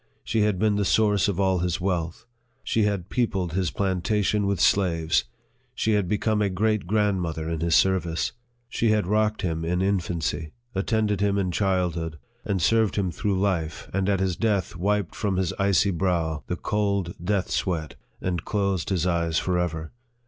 She had been the source of all his wealth ; she had peopled his plantation with slaves ; she had become a great grandmother in his service. She had rocked him in infancy, attended him in childhood, served him through life, and at his death wiped from his icy brow the cold death sweat, and closed his eyes forever.